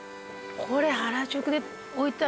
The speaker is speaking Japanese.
これ。